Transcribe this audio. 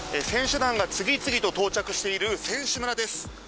選手団が次々と到着している選手村です。